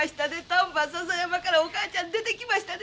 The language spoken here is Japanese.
丹波篠山からお母ちゃん出てきましたで。